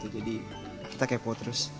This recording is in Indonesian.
jadi kita kepo terus